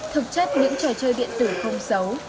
thực chất những trò chơi điện tử không xấu